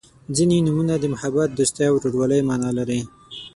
• ځینې نومونه د محبت، دوستۍ او ورورولۍ معنا لري.